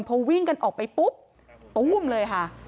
พอวิ่งกันออกไปปุ๊บตู้มเลยค่ะ